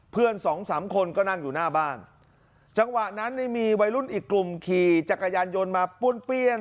สองสามคนก็นั่งอยู่หน้าบ้านจังหวะนั้นเนี่ยมีวัยรุ่นอีกกลุ่มขี่จักรยานยนต์มาป้วนเปี้ยน